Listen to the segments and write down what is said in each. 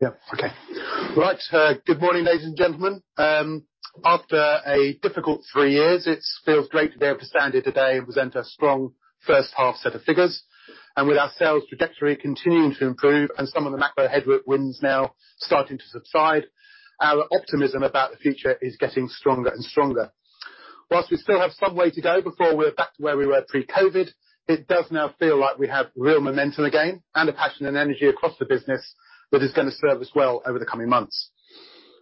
Good morning, ladies and gentlemen. After a difficult three years, it feels great to be able to stand here today and present a strong first half set of figures. With our sales trajectory continuing to improve and some of the macro headwinds now starting to subside, our optimism about the future is getting stronger and stronger. Whilst we still have some way to go before we're back to where we were pre-COVID, it does now feel like we have real momentum again, and a passion and energy across the business that is gonna serve us well over the coming months.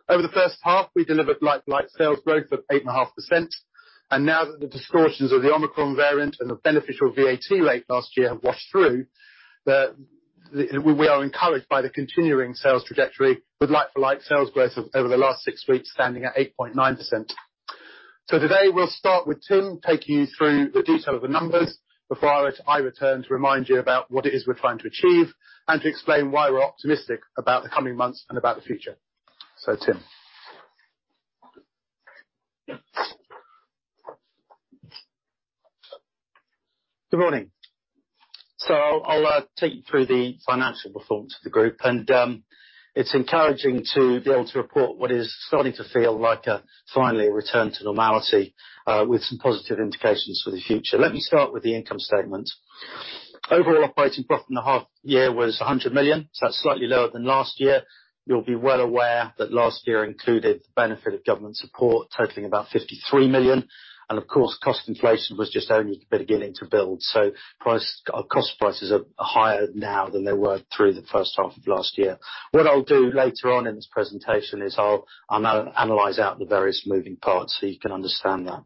Over the first half, we delivered like-for-like sales growth of 8.5%. Now that the distortions of the Omicron variant and the beneficial VAT rate last year have washed through, we are encouraged by the continuing sales trajectory with like-for-like sales growth of over the last six weeks standing at 8.9%. Today we'll start with Tim taking you through the detail of the numbers before I return to remind you about what it is we're trying to achieve, and to explain why we're optimistic about the coming months and about the future. Tim? Good morning. I'll take you through the financial performance of the group, and it's encouraging to be able to report what is starting to feel like finally a return to normality with some positive indications for the future. Let me start with the income statement. Overall operating profit in the half year was 100 million, that's slightly lower than last year. You'll be well aware that last year included the benefit of government support totaling about 53 million, and of course, cost inflation was just only beginning to build. cost prices are higher now than they were through the first half of last year. What I'll do later on in this presentation is I'll analyze out the various moving parts so you can understand that.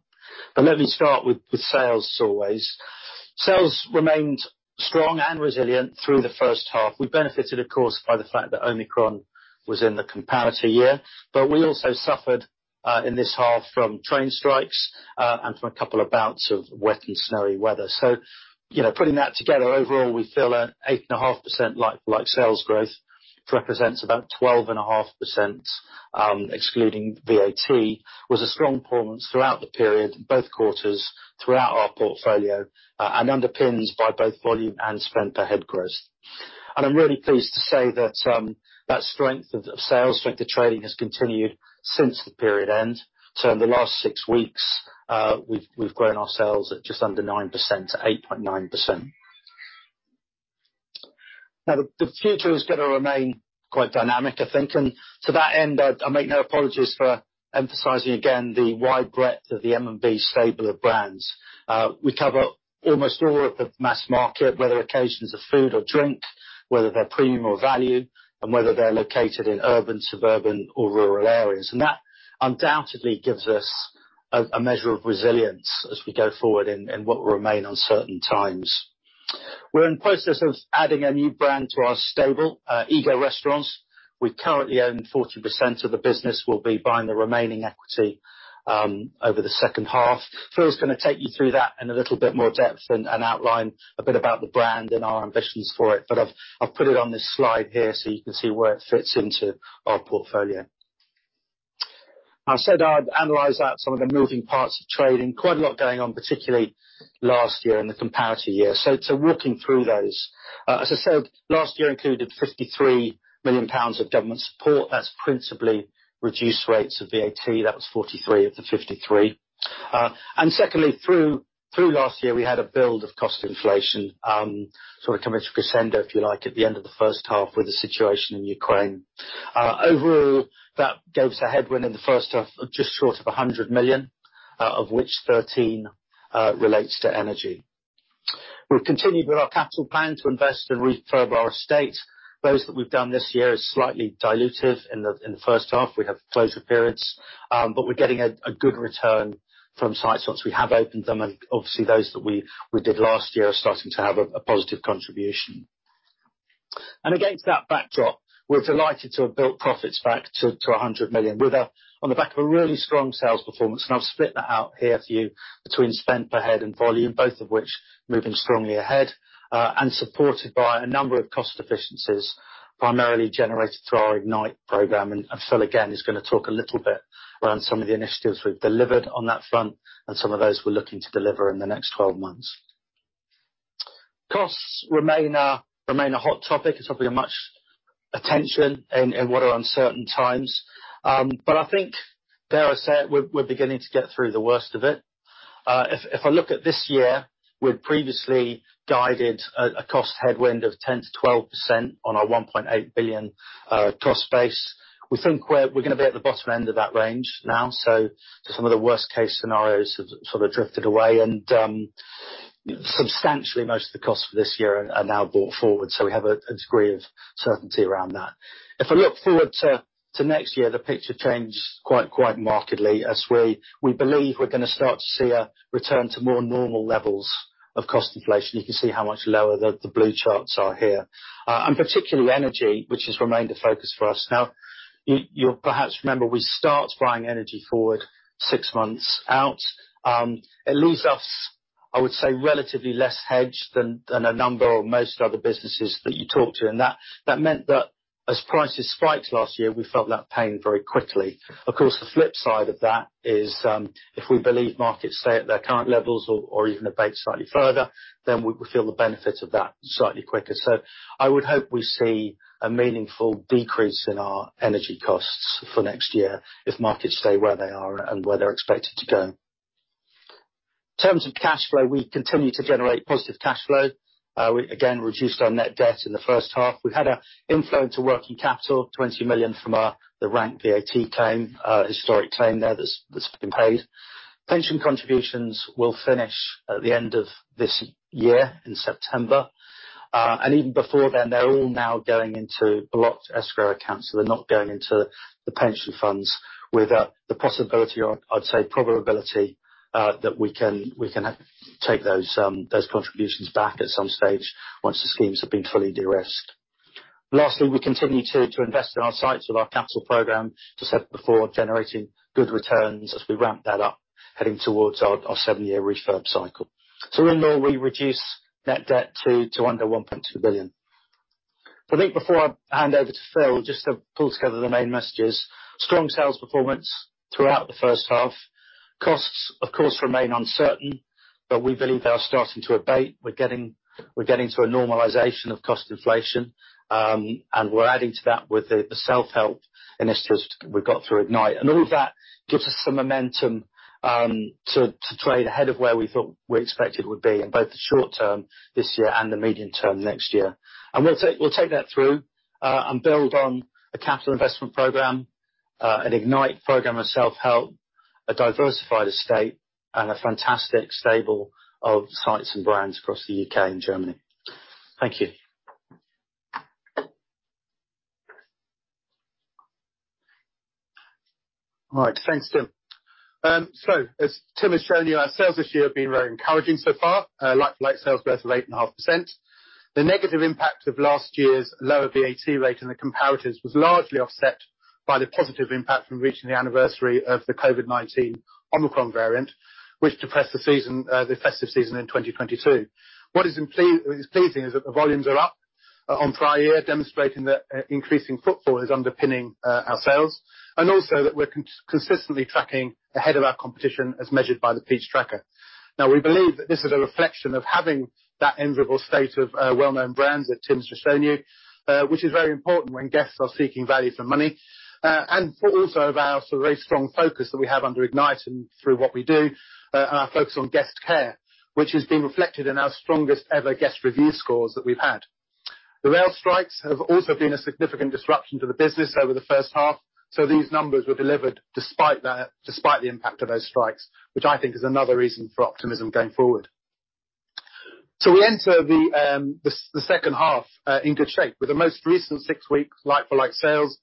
Let me start with sales always. Sales remained strong and resilient through the first half. We benefited, of course, by the fact that Omicron was in the comparator year, but we also suffered in this half from train strikes and from a couple of bouts of wet and snowy weather. You know, putting that together, overall, we feel an 8.5% like-for-like sales growth represents about 12.5%, excluding VAT, was a strong performance throughout the period in both quarters throughout our portfolio and underpins by both volume and spend per head growth. I'm really pleased to say that that strength of sales, strength of trading has continued since the period end. In the last six weeks, we've grown our sales at just under 9% to 8.9%. The future is gonna remain quite dynamic, I think. To that end, I make no apologies for emphasizing again the wide breadth of the M&B stable of brands. We cover almost all of the mass market, whether occasions of food or drink, whether they're premium or value, and whether they're located in urban, suburban or rural areas. That undoubtedly gives us a measure of resilience as we go forward in what will remain uncertain times. We're in process of adding a new brand to our stable, Ego Restaurants. We currently own 40% of the business. We'll be buying the remaining equity over the second half. Phil's gonna take you through that in a little bit more depth and outline a bit about the brand and our ambitions for it. I've put it on this slide here so you can see where it fits into our portfolio. I said I'd analyze out some of the moving parts of trading. Quite a lot going on, particularly last year and the comparator year. Walking through those. As I said, last year included 53 million pounds of government support. That's principally reduced rates of VAT. That was 43 million of the 53 million. And secondly, through last year, we had a build of cost inflation, sort of coming to a crescendo, if you like, at the end of the first half with the situation in Ukraine. Overall, that gave us a headwind in the first half of just short of 100 million, of which 13 million relates to energy. We've continued with our capital plan to invest and refurb our estate. Those that we've done this year is slightly diluted in the, in the first half. We have closure periods, but we're getting a good return from sites once we have opened them, and obviously those that we did last year are starting to have a positive contribution. Against that backdrop, we're delighted to have built profits back to 100 million with a, on the back of a really strong sales performance. I've split that out here for you between spend per head and volume, both of which moving strongly ahead, and supported by a number of cost efficiencies primarily generated through our Ignite program. Phil, again, is gonna talk a little bit around some of the initiatives we've delivered on that front and some of those we're looking to deliver in the next 12 months. Costs remain a hot topic. It's something much attention in what are uncertain times. I think dare I say it, we're beginning to get through the worst of it. If I look at this year, we've previously guided a cost headwind of 10%-12% on our 1.8 billion cost base. We think we're gonna be at the bottom end of that range now. Some of the worst case scenarios have sort of drifted away and substantially most of the costs for this year are now brought forward, so we have a degree of certainty around that. If I look forward to next year, the picture changes quite markedly as we believe we're gonna start to see a return to more normal levels of cost inflation. You can see how much lower the blue charts are here. Particularly energy, which has remained a focus for us. Now, you'll perhaps remember we start buying energy forward six months out. It leaves us I would say relatively less hedged than a number of most other businesses that you talk to, and that meant that as prices spiked last year, we felt that pain very quickly. Of course, the flip side of that is, if we believe markets stay at their current levels or even abate slightly further, then we will feel the benefit of that slightly quicker. I would hope we see a meaningful decrease in our energy costs for next year if markets stay where they are and where they're expected to go. In terms of cash flow, we continue to generate positive cash flow. We again reduced our net debt in the first half. We had a inflow to working capital, 20 million from our, the Rank VAT claim, historic claim there that's been paid. Pension contributions will finish at the end of this year in September. Even before then, they're all now going into blocked escrow accounts, so they're not going into the pension funds without the possibility or I'd say probability that we can take those contributions back at some stage once the schemes have been fully de-risked. Lastly, we continue to invest in our sites with our capital program just before generating good returns as we ramp that up, heading towards our seven-year refurb cycle. To renew, we reduced net debt to under 1.2 billion. I think before I hand over to Phil, just to pull together the main messages. Strong sales performance throughout the first half. Costs, of course, remain uncertain, but we believe they are starting to abate. We're getting to a normalization of cost inflation, and we're adding to that with the self-help initiatives we've got through Ignite. All of that gives us some momentum to trade ahead of where we thought we expected would be in both the short term this year and the medium term next year. We'll take that through and build on a capital investment program, an Ignite program of self-help, a diversified estate, and a fantastic stable of sites and brands across the U.K. and Germany. Thank you. All right. Thanks, Tim. As Tim has shown you, our sales this year have been very encouraging so far. like sales growth of 8.5%. The negative impact of last year's lower VAT rate in the comparators was largely offset by the positive impact from reaching the anniversary of the COVID-19 Omicron variant, which depressed the season, the festive season in 2022. What is pleasing is that the volumes are up on prior year, demonstrating that increasing footfall is underpinning our sales, and also that we're consistently tracking ahead of our competition as measured by the Peach Tracker. We believe that this is a reflection of having that enviable state of well-known brands that Tim's just shown you, which is very important when guests are seeking value for money, and also of our sort of very strong focus that we have under Ignite and through what we do, and our focus on guest care, which has been reflected in our strongest ever guest review scores that we've had. The rail strikes have also been a significant disruption to the business over the first half, so these numbers were delivered despite that, despite the impact of those strikes, which I think is another reason for optimism going forward. We enter the second half in good shape with the most recent six weeks like-for-like sales,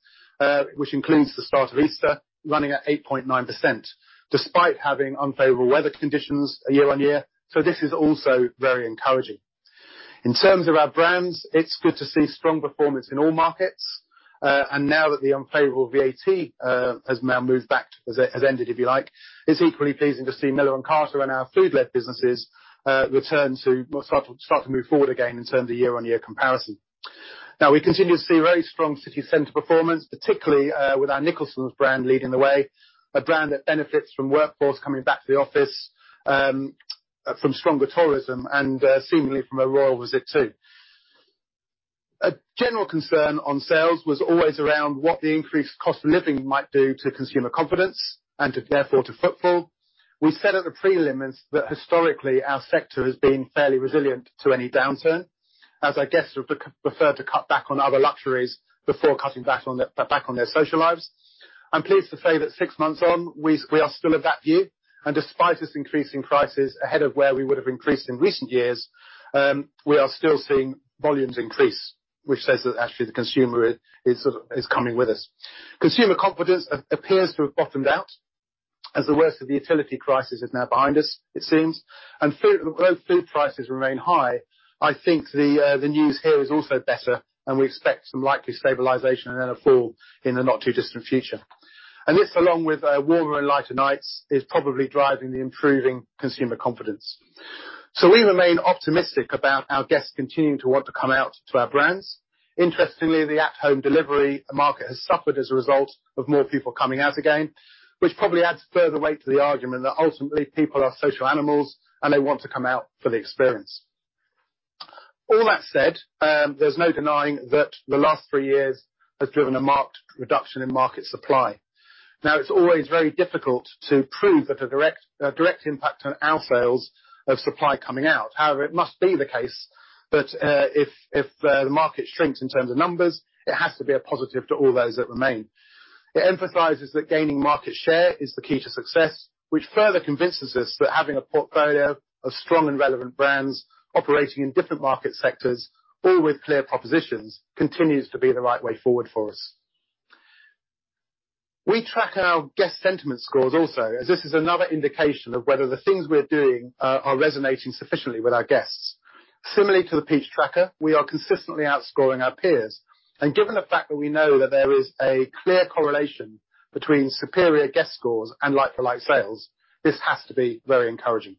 which includes the start of Easter, running at 8.9%, despite having unfavorable weather conditions year-on-year. This is also very encouraging. In terms of our brands, it's good to see strong performance in all markets. Now that the unfavorable VAT has now moved back, has ended, if you like, it's equally pleasing to see Miller & Carter and our food-led businesses return to more start to move forward again in terms of year-on-year comparison. We continue to see very strong city center performance, particularly with our Nicholson's brand leading the way, a brand that benefits from workforce coming back to the office, from stronger tourism and seemingly from a royal visit too. A general concern on sales was always around what the increased cost of living might do to consumer confidence and therefore to footfall. We said at the prelims that historically our sector has been fairly resilient to any downturn, as our guests would prefer to cut back on other luxuries before cutting back on their social lives. I'm pleased to say that six months on, we are still of that view, and despite this increase in prices ahead of where we would have increased in recent years, we are still seeing volumes increase, which says that actually the consumer is sort of coming with us. Consumer confidence appears to have bottomed out as the worst of the utility crisis is now behind us, it seems. Food, well, food prices remain high. I think the news here is also better, and we expect some likely stabilization and then a fall in the not too distant future. This, along with warmer and lighter nights, is probably driving the improving consumer confidence. We remain optimistic about our guests continuing to want to come out to our brands. Interestingly, the at home delivery market has suffered as a result of more people coming out again, which probably adds further weight to the argument that ultimately people are social animals and they want to come out for the experience. All that said, there's no denying that the last three years has driven a marked reduction in market supply. Now, it's always very difficult to prove that a direct impact on our sales of supply coming out. It must be the case that, if the market shrinks in terms of numbers, it has to be a positive to all those that remain. It emphasizes that gaining market share is the key to success, which further convinces us that having a portfolio of strong and relevant brands operating in different market sectors, all with clear propositions, continues to be the right way forward for us. We track our guest sentiment scores also, as this is another indication of whether the things we're doing are resonating sufficiently with our guests. Similarly to the Coffer Peach Tracker, we are consistently outscoring our peers. Given the fact that we know that there is a clear correlation between superior guest scores and like-for-like sales, this has to be very encouraging.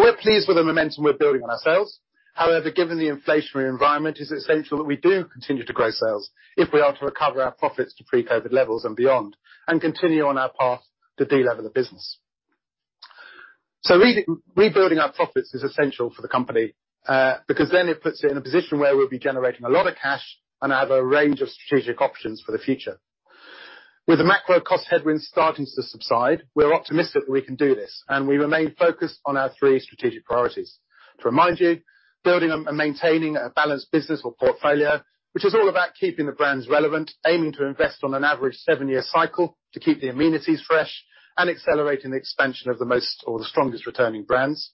We're pleased with the momentum we're building on our sales. However, given the inflationary environment, it's essential that we do continue to grow sales if we are to recover our profits to pre-COVID levels and beyond, and continue on our path to de-lever the business. Rebuilding our profits is essential for the company, because then it puts it in a position where we'll be generating a lot of cash and have a range of strategic options for the future. With the macro cost headwinds starting to subside, we're optimistic that we can do this, and we remain focused on our three strategic priorities. To remind you, building and maintaining a balanced business or portfolio, which is all about keeping the brands relevant, aiming to invest on an average seven-year cycle to keep the amenities fresh, and accelerating the expansion of the most or the strongest returning brands.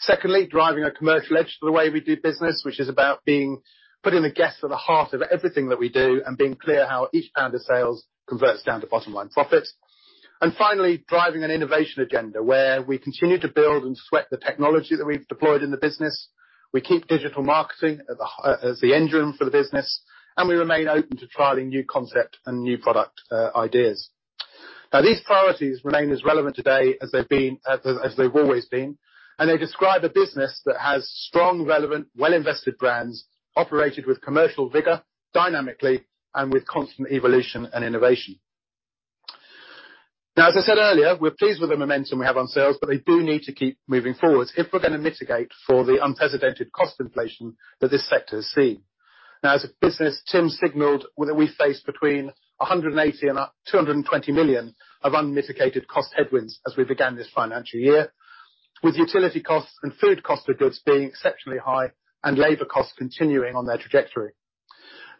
Secondly, driving a commercial edge to the way we do business, which is about putting the guest at the heart of everything that we do and being clear how each of the sales converts down to bottom-line profits. Finally, driving an innovation agenda where we continue to build and sweat the technology that we've deployed in the business, we keep digital marketing as the engine for the business, and we remain open to trialing new concept and new product ideas. These priorities remain as relevant today as they've been as they've always been, and they describe a business that has strong, relevant, well-invested brands operated with commercial vigor, dynamically, and with constant evolution and innovation. As I said earlier, we're pleased with the momentum we have on sales, but they do need to keep moving forward if we're gonna mitigate for the unprecedented cost inflation that this sector has seen. As a business, Tim signaled whether we face between 180 million-220 million of unmitigated cost headwinds as we began this financial year, with utility costs and food cost of goods being exceptionally high and labor costs continuing on their trajectory.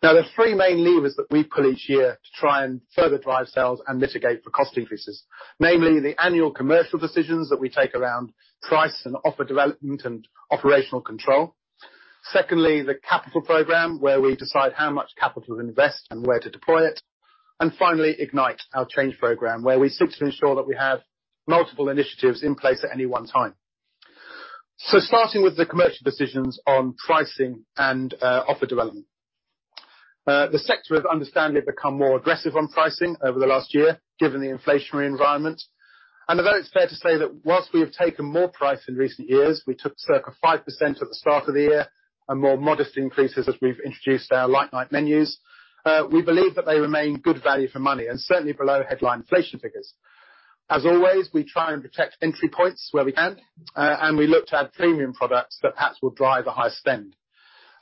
There are three main levers that we pull each year to try and further drive sales and mitigate for cost increases. Namely, the annual commercial decisions that we take around price and offer development and operational control. Secondly, the capital program, where we decide how much capital to invest and where to deploy it. Finally, Ignite, our change program, where we seek to ensure that we have multiple initiatives in place at any one time. Starting with the commercial decisions on pricing and offer development. The sector has understandably become more aggressive on pricing over the last year given the inflationary environment. Although it's fair to say that whilst we have taken more price in recent years, we took circa 5% at the start of the year and more modest increases as we've introduced our late night menus, we believe that they remain good value for money and certainly below headline inflation figures. Always, we try and protect entry points where we can, and we look to add premium products that perhaps will drive a higher spend.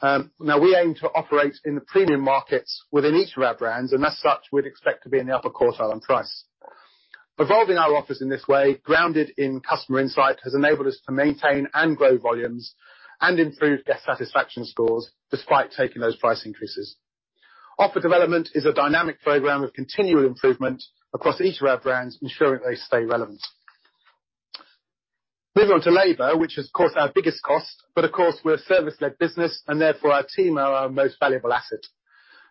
Now we aim to operate in the premium markets within each of our brands, and as such, we'd expect to be in the upper quartile on price. Evolving our offers in this way, grounded in customer insight, has enabled us to maintain and grow volumes and improve guest satisfaction scores despite taking those price increases. Offer development is a dynamic program of continual improvement across each of our brands, ensuring they stay relevant. Moving on to labor, which is of course our biggest cost, but of course we're a service-led business and therefore our team are our most valuable asset.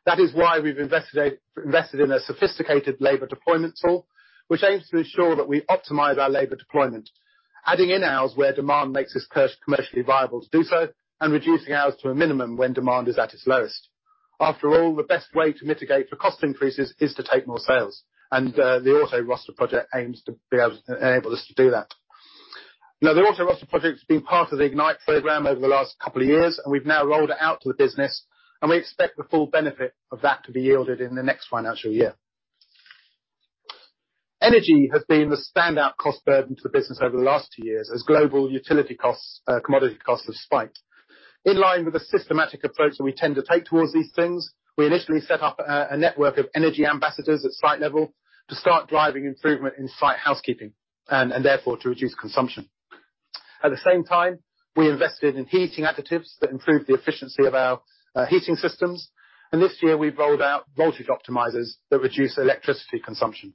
That is why we've invested in a sophisticated labor deployment tool, which aims to ensure that we optimize our labor deployment, adding in hours where demand makes us commercially viable to do so, and reducing hours to a minimum when demand is at its lowest. After all, the best way to mitigate for cost increases is to take more sales, and the Auto Roster project aims to be able to enable us to do that. The Auto Roster project has been part of the Ignite program over the last couple of years, and we've now rolled it out to the business, and we expect the full benefit of that to be yielded in the next financial year. Energy has been the standout cost burden to the business over the last two years as global utility costs, commodity costs have spiked. In line with the systematic approach that we tend to take towards these things, we initially set up a network of energy ambassadors at site level to start driving improvement in site housekeeping and therefore to reduce consumption. At the same time, we invested in heating additives that improved the efficiency of our heating systems, and this year we've rolled out voltage optimizers that reduce electricity consumption.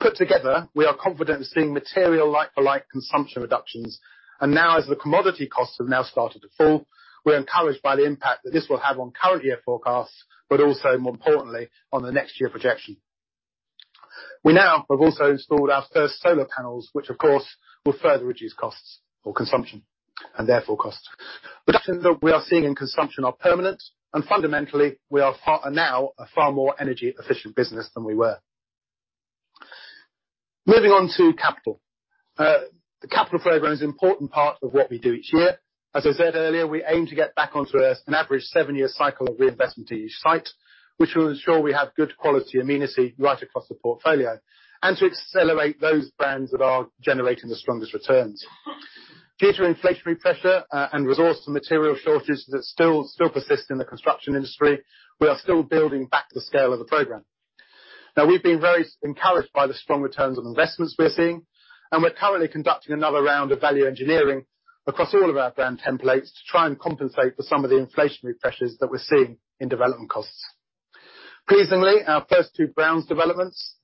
Put together, we are confident in seeing material like-for-like consumption reductions. Now as the commodity costs have now started to fall, we're encouraged by the impact that this will have on current year forecasts, but also more importantly, on the next year projection. We now have also installed our first solar panels, which of course, will further reduce costs or consumption, and therefore costs. Reductions that we are seeing in consumption are permanent, and fundamentally we are now a far more energy efficient business than we were. Moving on to capital. The capital program is an important part of what we do each year. As I said earlier, we aim to get back onto an average seven-year cycle of reinvestment in each site, which will ensure we have good quality amenity right across the portfolio, and to accelerate those brands that are generating the strongest returns. Due to inflationary pressure, and resource and material shortages that still persist in the construction industry, we are still building back to the scale of the program. Now, we've been very encouraged by the strong returns on investments we are seeing, and we're currently conducting another round of value engineering across all of our brand templates to try and compensate for some of the inflationary pressures that we're seeing in development costs. Pleasingly, our first two Brands developments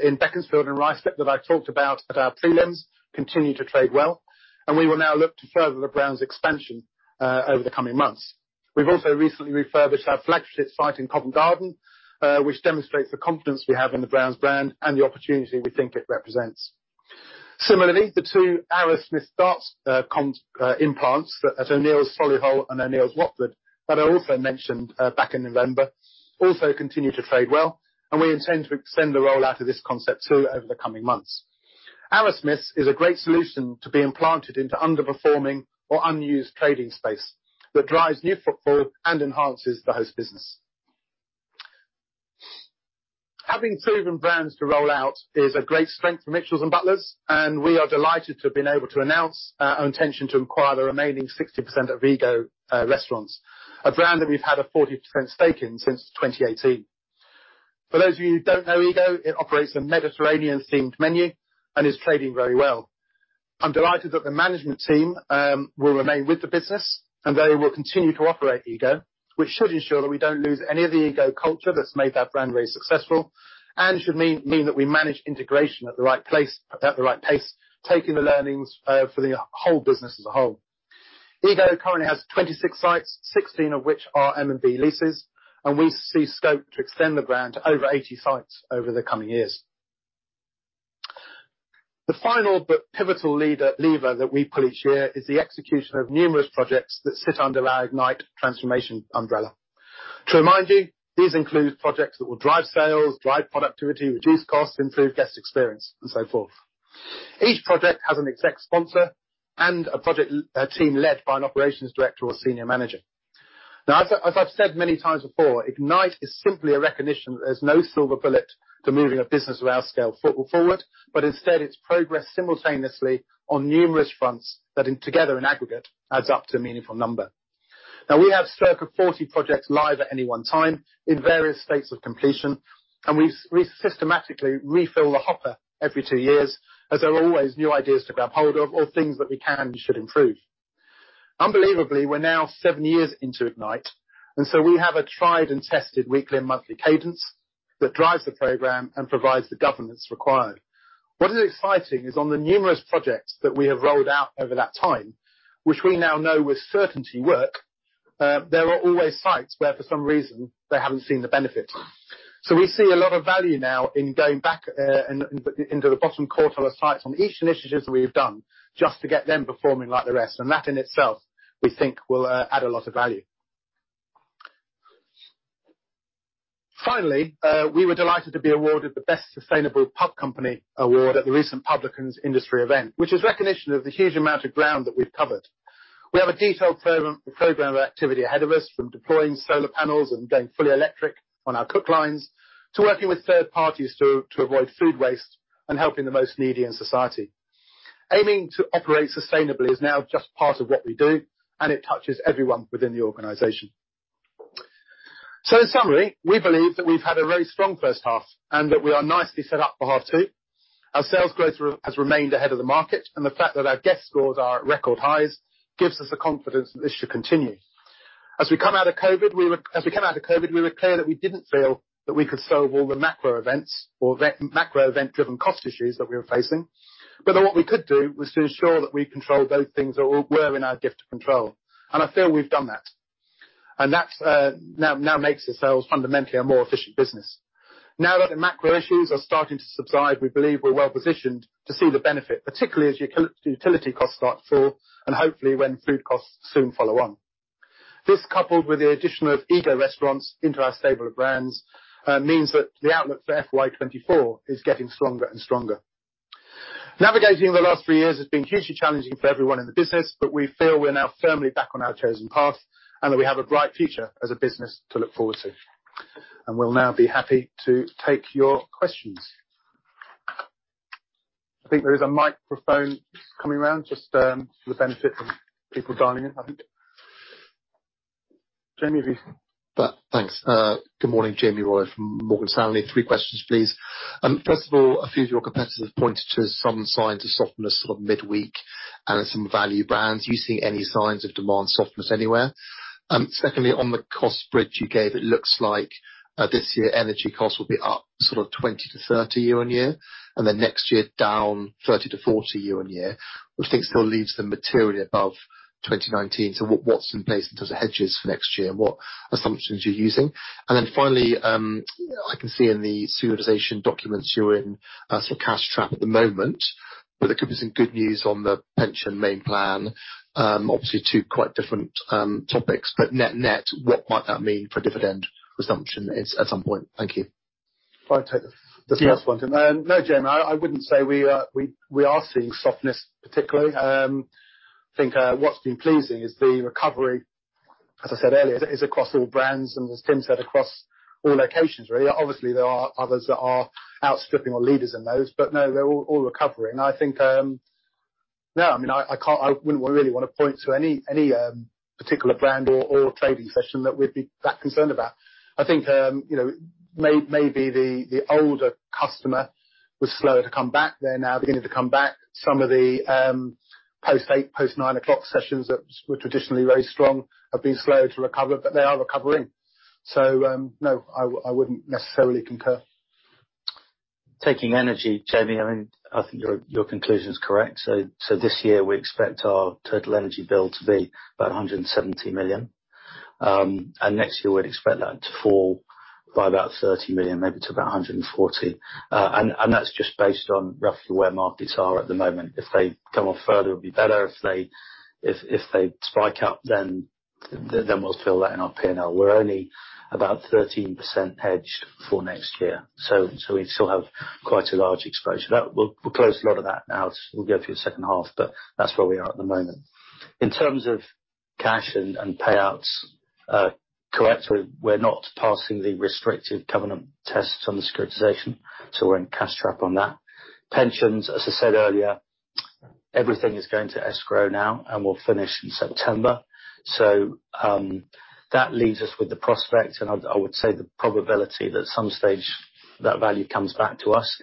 in Beaconsfield and Ruislip that I talked about at our prelims continue to trade well. We will now look to further the brand's expansion over the coming months. We've also recently refurbished our flagship site in Covent Garden, which demonstrates the confidence we have in the Browns brand and the opportunity we think it represents. Similarly, the two Arrowsmiths darts implants at O'Neill's Solihull and O'Neill's Watford that I also mentioned back in November also continue to trade well, and we intend to extend the rollout of this concept too over the coming months. Arrowsmiths is a great solution to be implanted into underperforming or unused trading space that drives new footfall and enhances the host business. Having proven brands to roll out is a great strength for Mitchells & Butlers, we are delighted to have been able to announce our intention to acquire the remaining 60% of Ego Restaurants, a brand that we've had a 40% stake in since 2018. For those of you who don't know Ego, it operates a Mediterranean themed menu and is trading very well. I'm delighted that the management team will remain with the business and they will continue to operate Ego, which should ensure that we don't lose any of the Ego culture that's made that brand very successful and should mean that we manage integration at the right place, at the right pace, taking the learnings for the whole business as a whole. Ego currently has 26 sites, 16 of which are M&B leases, and we see scope to extend the brand to over 80 sites over the coming years. The final but pivotal lever that we pull each year is the execution of numerous projects that sit under our Ignite transformation umbrella. To remind you, these include projects that will drive sales, drive productivity, reduce costs, improve guest experience, and so forth. Each project has an exec sponsor and a project team led by an operations director or senior manager. Now, as I've said many times before, Ignite is simply a recognition that there's no silver bullet to moving a business of our scale foot forward, but instead it's progress simultaneously on numerous fronts that in aggregate adds up to a meaningful number. We have circa 40 projects live at any one time in various states of completion, and we systematically refill the hopper every two years as there are always new ideas to grab hold of or things that we can and should improve. Unbelievably, we're now seven years into Ignite, and so we have a tried and tested weekly and monthly cadence that drives the program and provides the governance required. What is exciting is on the numerous projects that we have rolled out over that time, which we now know with certainty work, there are always sites where for some reason they haven't seen the benefit. We see a lot of value now in going back into the bottom quarter of sites on each initiatives that we've done just to get them performing like the rest. That in itself, we think will add a lot of value. Finally, we were delighted to be awarded the Best Sustainable Pub Company award at the recent Publicans Industry event, which is recognition of the huge amount of ground that we've covered. We have a detailed program of activity ahead of us from deploying solar panels and going fully electric on our cook lines, to working with third parties to avoid food waste and helping the most needy in society. Aiming to operate sustainably is now just part of what we do and it touches everyone within the organization. In summary, we believe that we've had a very strong first half and that we are nicely set up for half two. Our sales growth has remained ahead of the market, and the fact that our guest scores are at record highs gives us the confidence that this should continue. As we came out of COVID, we were clear that we didn't feel that we could solve all the macro events or macro event driven cost issues that we were facing, but that what we could do was to ensure that we controlled those things that were in our gift of control, and I feel we've done that. That's now makes ourselves fundamentally a more efficient business. Now that the macro issues are starting to subside, we believe we're well positioned to see the benefit, particularly as utility costs start to fall and hopefully when food costs soon follow on. This, coupled with the addition of Ego Restaurants into our stable of brands, means that the outlook for FY 2024 is getting stronger and stronger. Navigating the last three years has been hugely challenging for everyone in the business, but we feel we're now firmly back on our chosen path and that we have a bright future as a business to look forward to. We'll now be happy to take your questions. I think there is a microphone coming around just for the benefit of people dialing in, I think. Jamie, have you? Thanks. Good morning, Jamie Rollo from Morgan Stanley. Three questions, please. First of all, a few of your competitors pointed to some signs of softness sort of midweek and some value brands. Are you seeing any signs of demand softness anywhere? Secondly, on the cost bridge you gave, it looks like this year energy costs will be up sort of 20%-30% year-on-year, and then next year down 30%-40% year-on-year, which I think still leaves them materially above 2019. What's in place in terms of hedges for next year, and what assumptions are you using? Finally, I can see in the securitization documents you're in sort of cash trap at the moment, but there could be some good news on the pension main plan. Obviously two quite different topics, but net-net, what might that mean for dividend resumption at some point? Thank you. If I take the first one. Yes. No, Jamie, I wouldn't say we are seeing softness particularly. I think what's been pleasing is the recovery, as I said earlier, is across all brands and as Tim said, across all locations, really. Obviously, there are others that are outstripping or leaders in those, but no, they're all recovering. I think no, I mean, I can't, I wouldn't really wanna point to any particular brand or trading session that we'd be that concerned about. I think, you know, maybe the older customer was slower to come back. They're now beginning to come back. Some of the post 8, post 9 o'clock sessions that were traditionally very strong have been slower to recover, but they are recovering. No, I wouldn't necessarily concur. Taking energy, Jamie Rollo, I mean, I think your conclusion is correct. This year we expect our total energy bill to be about 170 million. Next year we'd expect that to fall by about 30 million, maybe to about 140 million. That's just based on roughly where markets are at the moment. If they come off further, it'll be better. If they spike up then we'll feel that in our P&L. We're only about 13% hedged for next year, we still have quite a large exposure. We'll close a lot of that now as we go through the second half, but that's where we are at the moment. In terms of cash and payouts, correctly, we're not passing the restrictive covenant tests on the securitization, so we're in cash trap on that. Pensions, as I said earlier, everything is going to escrow now and will finish in September. That leaves us with the prospect and I would say the probability that at some stage that value comes back to us.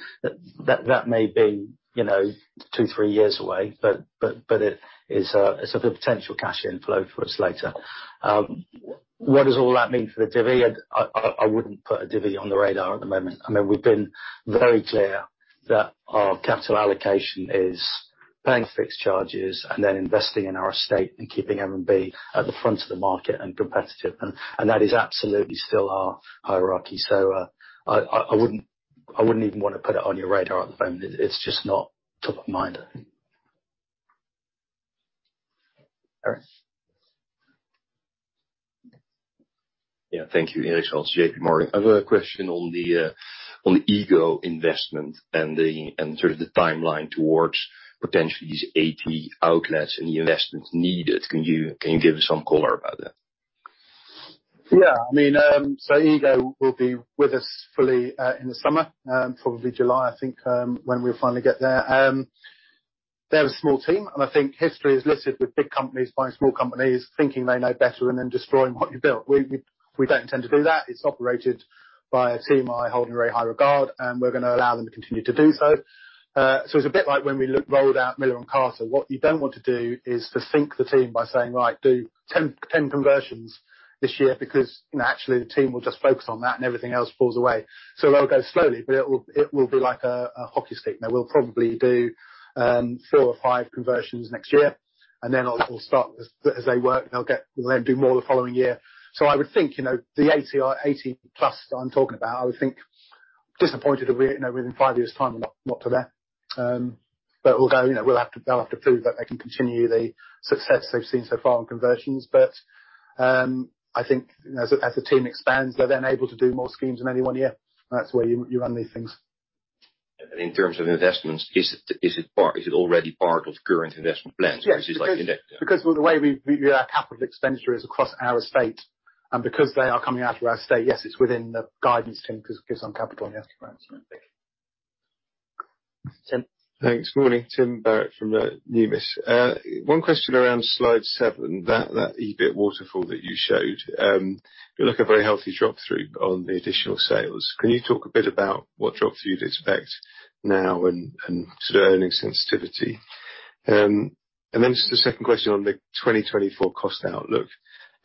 That may be, you know, two, three years away, but it is a sort of potential cash inflow for us later. What does all that mean for the dividend? I wouldn't put a dividend on the radar at the moment. I mean, we've been very clear that our capital allocation is paying fixed charges and then investing in our estate and keeping M&B at the front of the market and competitive, and that is absolutely still our hierarchy. I wouldn't even wanna put it on your radar at the moment. It's just not top of mind. Eric? Yeah. Thank you. Eric Halchak, J.P. Morgan. I've got a question on the on the Ego investment and sort of the timeline towards potentially these 80 outlets and the investments needed. Can you give some color about that? Yeah, I mean, Ego will be with us fully in the summer, probably July, I think, when we finally get there. They're a small team, and I think history is littered with big companies buying small companies thinking they know better and then destroying what you built. We don't intend to do that. It's operated by a team I hold in very high regard, and we're gonna allow them to continue to do so. It's a bit like when we rolled out Miller & Carter. What you don't want to do is to sink the team by saying, "Right, do 10 conversions this year," because, you know, actually the team will just focus on that, and everything else falls away. They'll go slowly, but it will be like a hockey stick. We'll probably do four or five conversions next year, and then they'll start as they work, and we'll let them do more the following year. I would think, you know, the 80 or 80 plus that I'm talking about, I would think. Disappointed if we, you know, within five years time we're not to there. We'll go, you know, they'll have to prove that they can continue the success they've seen so far on conversions. I think, you know, as the team expands, they're then able to do more schemes in any one year. That's the way you run these things. In terms of investments, is it already part of current investment plans? Yes. The way we do our capital expenditure is across our estate, and because they are coming out of our estate, yes, it's within the guidance, Tim, to give some capital in the estimate. Right. Thank you. Tim? Thanks. Morning, Tim Barrett from Numis. One question around slide 7, that EBIT waterfall that you showed. You look a very healthy drop-through on the additional sales. Can you talk a bit about what drop-through you'd expect now and sort of earning sensitivity? Just a second question on the 2024 cost outlook.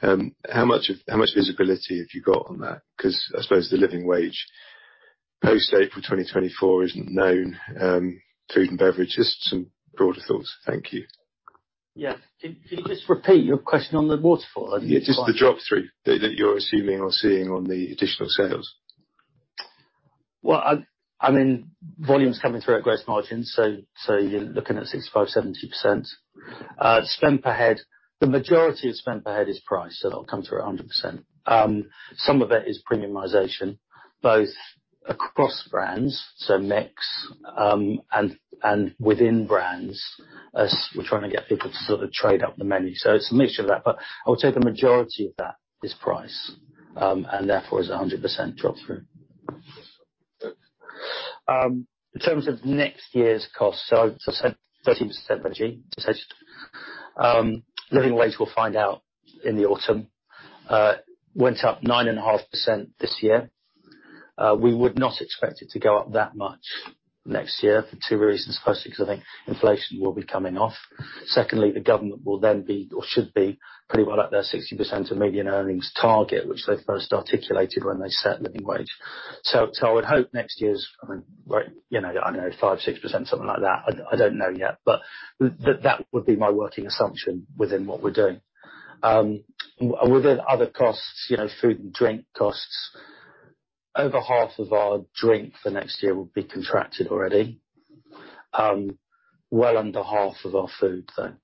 How much visibility have you got on that? 'Cause I suppose the living wage post April 2024 isn't known, food and beverage. Just some broader thoughts. Thank you. Yeah. Can you just repeat your question on the waterfall? I didn't quite-- Yeah, just the drop-through that you're assuming or seeing on the additional sales. Well, I mean, volume's coming through our gross margins, so you're looking at 65%-70%. Spend per head, the majority of spend per head is price, so that'll come through 100%. Some of it is premiumization, both across brands, so mix, and within brands as we're trying to get people to sort of trade up the menu. It's a mixture of that, but I would say the majority of that is price, and therefore is a 100% drop-through. Thanks. In terms of next year's costs, so I said 30% margin. We'll find out in the autumn. Went up 9.5% this year. We would not expect it to go up that much next year for two reasons. Firstly, because I think inflation will be coming off. Secondly, the government will then be or should be pretty well at their 60% of median earnings target, which they first articulated when they set National Living Wage. I would hope next year's, I mean, like, you know, I don't know, 5%-6%, something like that. I don't know yet. That would be my working assumption within what we're doing. Within other costs, you know, food and drink costs, over half of our drink for next year will be contracted already, well under half of our food, though.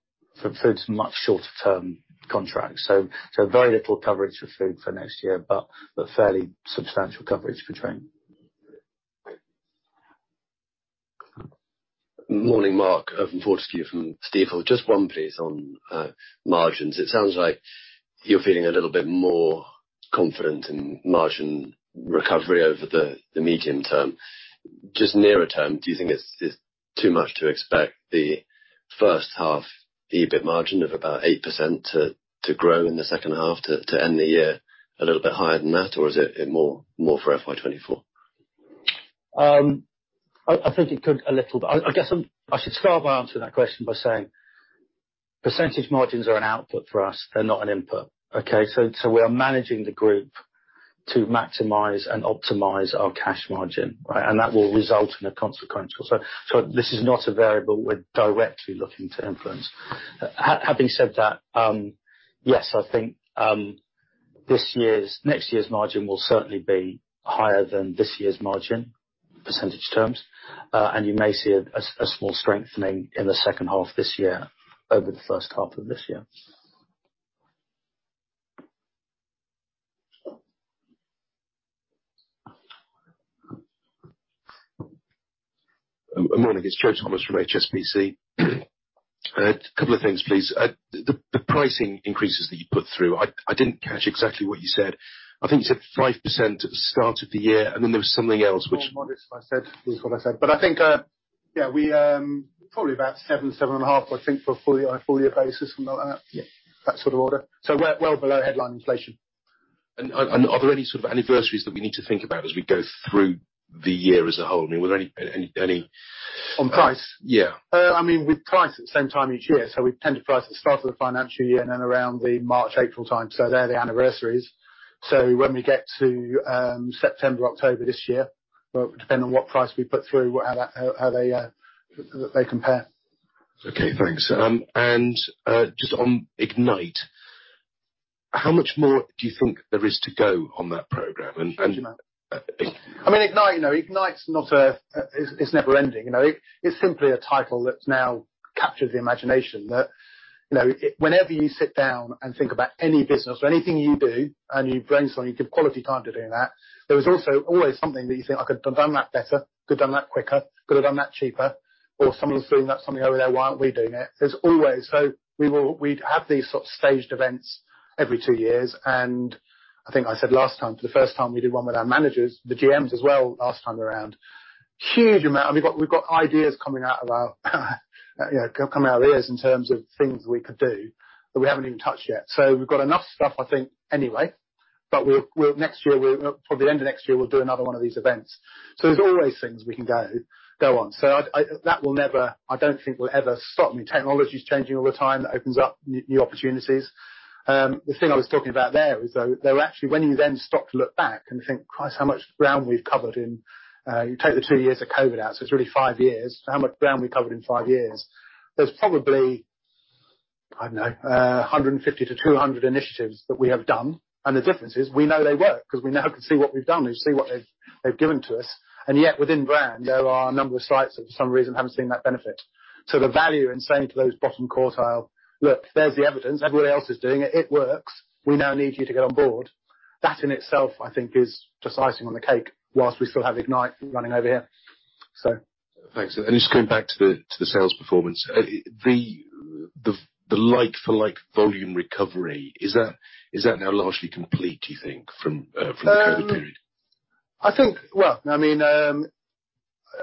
Food's much shorter term contract, so very little coverage for food for next year, but fairly substantial coverage for drink. Mark? Morning, Mark Fortescue from Stifel. Just one please on margins. It sounds like you're feeling a little bit more confident in margin recovery over the medium term. Nearer term, do you think it's too much to expect the first half EBIT margin of about 8% to grow in the second half to end the year a little bit higher than that, or is it more for FY 2024? I think it could a little bit. I guess I should start by answering that question by saying-- Percentage margins are an output for us, they're not an input. Okay? We are managing the group to maximize and optimize our cash margin, right? That will result in a consequential. This is not a variable we're directly looking to influence. Having said that, yes, I think, next year's margin will certainly be higher than this year's margin in percentage terms. You may see a small strengthening in the second half of this year over the first half of this year. Good morning, it's Joe Thomas from HSBC. A couple of things, please. The pricing increases that you put through, I didn't catch exactly what you said. I think you said 5% at the start of the year, and then there was something else. More modest, I said. It was what I said. I think, yeah, we, probably about 7%-7.5%, I think, for a full year, our full-year basis from that. Yeah, that sort of order. Well, well below headline inflation. Are there any sort of anniversaries that we need to think about as we go through the year as a whole? I mean, were there any? On price? Yeah. I mean, we price at the same time each year, so we tend to price at the start of the financial year and then around the March-April time. They're the anniversaries. When we get to September, October this year, well, it will depend on what price we put through, how they compare. Okay, thanks. Just on Ignite, how much more do you think there is to go on that program? Huge amount. I mean, Ignite, you know, Ignite's not a, it's never ending, you know. It's simply a title that's now captured the imagination. You know, whenever you sit down and think about any business or anything you do, and you brainstorm, you give quality time to doing that. There is also always something that you think, "I could've done that better. Could've done that quicker. Could've done that cheaper." "Someone's doing that, something over there, why aren't we doing it?" There's always. We'd have these sort of staged events every two years, and I think I said last time, for the first time, we did one with our managers, the GMs as well, last time around. Huge amount. We've got ideas coming out of our. you know, coming out our ears in terms of things we could do that we haven't even touched yet. We've got enough stuff, I think, anyway, but we'll next year, probably the end of next year, we'll do another one of these events. There's always things we can go on. I that will never. I don't think will ever stop. I mean, technology's changing all the time. That opens up new opportunities. The thing I was talking about there is, though, there were actually when you then stop to look back and think, "Christ, how much ground we've covered in," you take the two years of COVID out, so it's really five years. How much ground we covered in five years, there's probably, I don't know, 150-200 initiatives that we have done, and the difference is we know they work. 'Cause we now can see what we've done and see what they've given to us. Yet within brand, there are a number of sites that for some reason haven't seen that benefit. The value in saying to those bottom quartile, "Look, there's the evidence. Everybody else is doing it. It works. We now need you to get on board." That in itself I think is just icing on the cake whilst we still have Ignite running over here. Thanks. Just going back to the sales performance. The like-for-like volume recovery, is that now largely complete, do you think, from the COVID period? Well, I mean,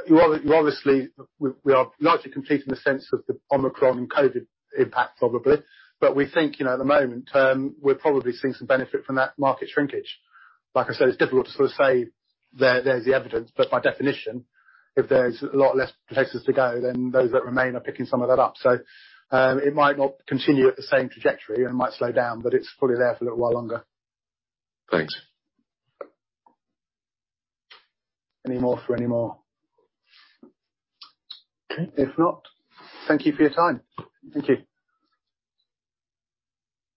you obviously, we are largely complete in the sense of the Omicron COVID impact, probably. We think, you know, at the moment, we're probably seeing some benefit from that market shrinkage. Like I said, it's difficult to sort of say there's the evidence, but by definition, if there's a lot less places to go, then those that remain are picking some of that up. It might not continue at the same trajectory and it might slow down, but it's probably there for a little while longer. Thanks. Any more for any more? Okay. If not, thank you for your time. Thank you.